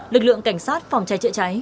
lực lượng cảnh sát phòng cháy chữa cháy